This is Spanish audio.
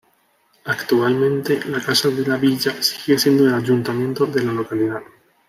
Actualmente la Casa de la Villa sigue siendo el ayuntamiento de la localidad.